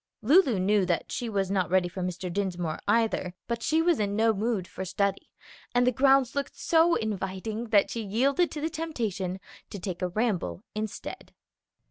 Lulu knew that she was not ready for Mr. Dinsmore either, but she was in no mood for study, and the grounds looked so inviting that she yielded to the temptation to take a ramble instead.